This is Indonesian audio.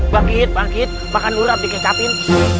bangkit bangkit makan dulu rap di kecapin